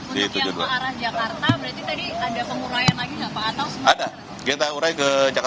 pak untuk yang arah jakarta berarti tadi ada pengurahan lagi ya pak